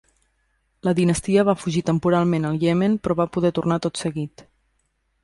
La dinastia va fugir temporalment al Iemen però va poder tornar tot seguit.